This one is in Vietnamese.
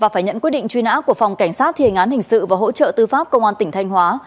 phải nhận quyết định truy nã của phòng cảnh sát thiền án hình sự và hỗ trợ tư pháp công an tỉnh thanh hóa